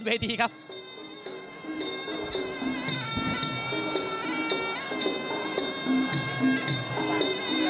ชื่อกิติปีแอทอง